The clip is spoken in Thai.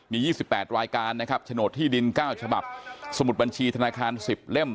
มี๒๘รายการนะครับโฉนดที่ดิน๙ฉบับสมุดบัญชีธนาคาร๑๐เล่ม